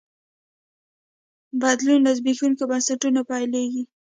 بدلون له زبېښونکو بنسټونو پیلېږي.